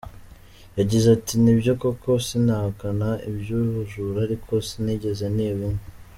Yagize ati: “Nibyo koko sinahakana iby’ubujura ariko sinigeze niba inka.